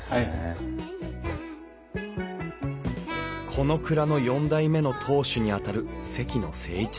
この蔵の４代目の当主にあたる関野静一さん。